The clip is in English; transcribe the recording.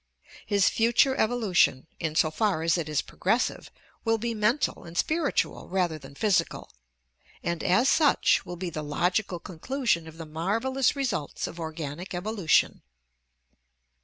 His future evolution, in so far as it is progressive, will be mental and spiritual rather than physical, and as such will be the logical conclusion of the marvelous results of organic evolution.